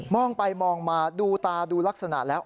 องไปมองมาดูตาดูลักษณะแล้ว